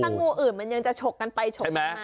ถ้างูอื่นมันยังจะฉกกันไปฉกกันมา